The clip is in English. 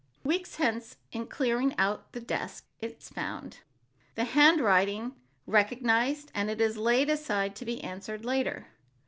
Weeks hence, in clearing out the desk it is found, the handwriting recognized, and it is laid aside to be answered later.